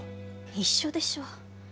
一緒でしょ。